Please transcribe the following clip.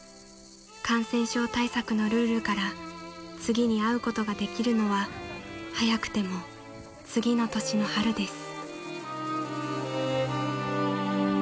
［感染症対策のルールから次に会うことができるのは早くても次の年の春です］